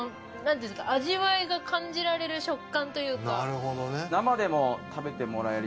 味わいが感じられる食感というか。